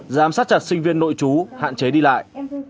giám sát chặt sinh viên nội chú hạn chế đi lại